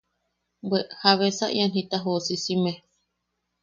¿Bwe jabesa ian jita joosisimne?